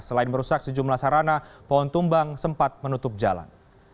selain merusak sejumlah sarana pohon tumbang sempat menutup jalan